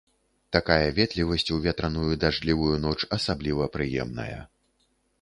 Такая ветлівасць у ветраную дажджлівую ноч асабліва прыемная.